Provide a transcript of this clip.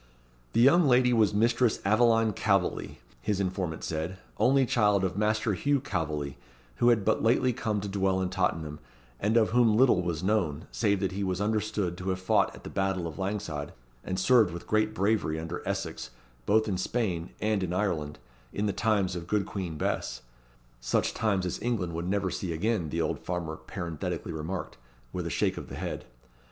The young lady was Mistress Aveline Calveley, his informant said, only child of Master Hugh Calveley, who had but lately come to dwell in Tottenham, and of whom little was known, save that he was understood to have fought at the battle of Langside, and served with great bravery, under Essex, both in Spain and in Ireland, in the times of good Queen Bess such times as England would never see again, the old farmer parenthetically remarked, with a shake of the head.